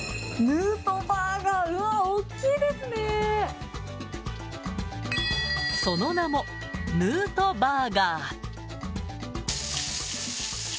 ヌートバーガー、うわ、その名も、ヌートバーガー。